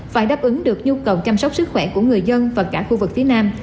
phải đáp ứng được nhu cầu chăm sóc sức khỏe của người dân và cả khu vực phía nam